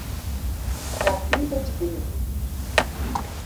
Cacimba de Dentro